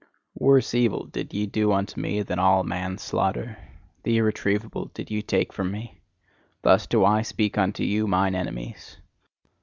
Worse evil did ye do unto me than all manslaughter; the irretrievable did ye take from me: thus do I speak unto you, mine enemies!